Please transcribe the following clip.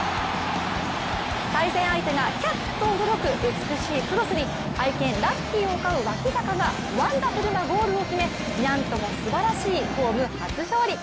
対戦相手がキャット驚く美しいクロスに愛犬・ラッキーを飼う脇坂がワンダフルなゴールを決めニャンともすばらしいホーム初勝利。